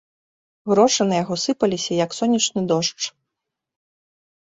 Грошы на яго сыпаліся, як сонечны дождж.